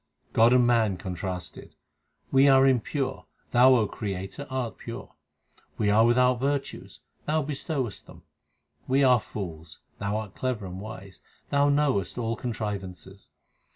God and man contrasted : We are impure; Thou, O Creator, art pure ; we are without virtues ; Thou bestowest them. We are fools ; Thou art clever and wise ; Thou knowest all contrivances.